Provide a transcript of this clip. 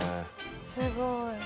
すごい。